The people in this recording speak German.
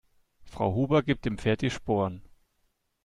Frau Huber gibt dem Pferd die Sporen.